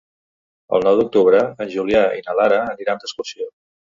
El nou d'octubre en Julià i na Lara aniran d'excursió.